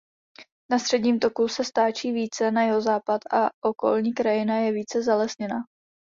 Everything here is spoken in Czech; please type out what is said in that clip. Na středním toku se stáčí více na jihozápad a okolní krajina je více zalesněná.